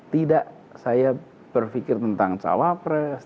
tidak saya berpikir tentang cawapres